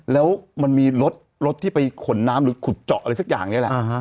แล้วมันมีรถที่ไปขนน้ำหรือขุดเจาะอะไรสักอย่างนี้แหละ